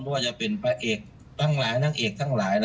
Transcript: ว่าจะเป็นพระเอกทั้งหลายนางเอกทั้งหลาย